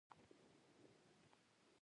احمد يې وواهه؛ غلا يې پر واړوله.